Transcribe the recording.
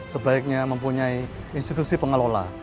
sebaiknya mempunyai institusi pengelola